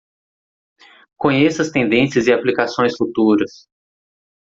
Conheça as tendências e aplicações futuras